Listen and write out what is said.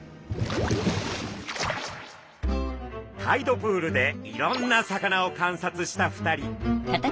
タイドプールでいろんな魚を観察した２人。